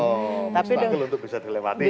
oh mustahil untuk bisa dilewati